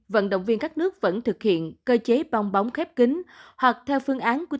vận động viên các nước vẫn thực hiện cơ chế bong bóng khép kính hoặc theo phương án của